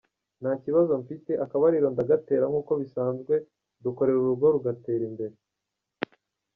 Nta kibazo mfite, akabariro ndagatera nk’uko bisanzwe, dukorera urugo rugatera imbere".